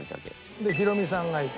でヒロミさんがいて。